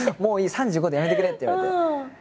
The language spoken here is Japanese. ３５でやめてくれ」と言われて。